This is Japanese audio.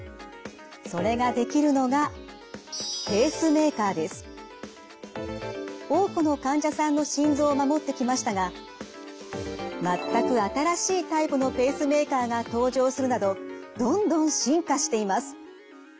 それができるのが多くの患者さんの心臓を守ってきましたがまったく新しいタイプのペースメーカーが登場するなどどんどん進化しています。